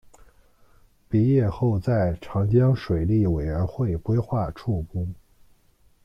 毕业后在长江水利委员会规划处工。